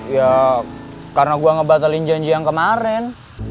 ya karena gue ngebatalin janji yang kemarin